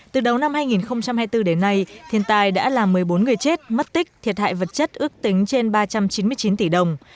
từ đầu năm hai nghìn hai mươi bốn đến nay thiên tai đã làm một mươi bốn người chết mất tích thiệt hại vật chất ước tính trên ba trăm chín mươi chín tỷ đồng